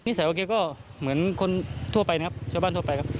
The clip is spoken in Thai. ใส่ว่าแกก็เหมือนคนทั่วไปนะครับชาวบ้านทั่วไปครับ